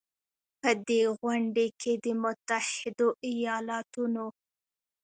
په دې غونډې کې د متحدو ایالتونو